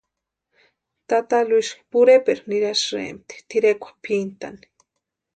Tata Luisi pureperu nirasïrempti tʼirekwa piantani.